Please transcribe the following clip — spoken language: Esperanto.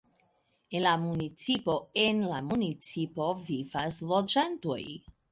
En la municipo En la municipo vivas loĝantoj.